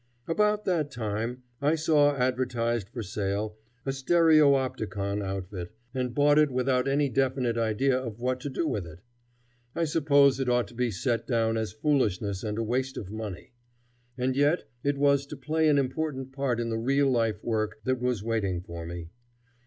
About that time I saw advertised for sale a stereopticon outfit, and bought it without any definite idea of what to do with it. I suppose it ought to be set down as foolishness and a waste of money. And yet it was to play an important part in the real life work that was waiting for me.